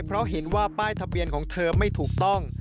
เพราะเห็นว่าป้ายทะเบียนของเธอไม่ถูกต้อง